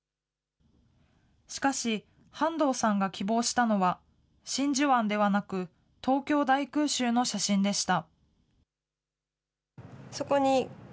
しかし、半藤さんが希望したのは、真珠湾ではなく、東京大空襲の写真でした。